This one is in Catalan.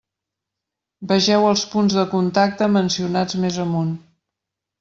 Vegeu els punts de contacte mencionats més amunt.